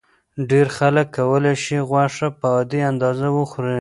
ډېر خلک کولی شي غوښه په عادي اندازه وخوري.